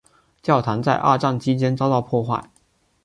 教堂在二战期间遭到破坏。